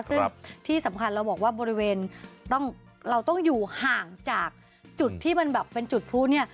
ซึ่งที่สำคัญเราบอกว่าบริเวณเราต้องอยู่ห่างจากจุดที่มันแบบเป็นจุดพลุเนี่ย